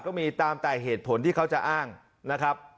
ก็มีตามแต่เหตุผลที่เขาจะอ้างนะครับ